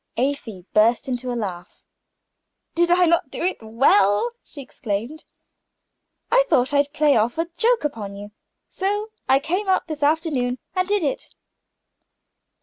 Afy burst into a laugh. "Did I not do it well?" she exclaimed. "I thought I'd play off a joke upon you, so I came out this afternoon and did it."